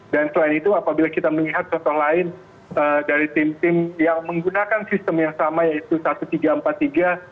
dan selain itu apabila kita melihat contoh lain dari tim tim yang menggunakan sistem yang sama yaitu seribu tiga ratus empat puluh tiga